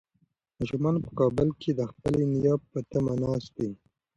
ماشومان په کابل کې د خپلې نیا په تمه ناست دي.